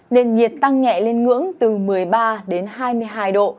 nền nhiệt tăng nhẹ lên ngưỡng từ một mươi ba đến hai mươi hai độ